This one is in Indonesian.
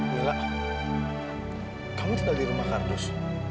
mila kamu tinggal di rumah kardus